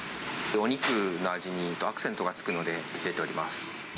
お肉の味にアクセントがつくので、入れております。